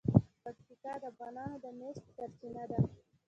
پکتیکا د افغانانو د معیشت سرچینه ده.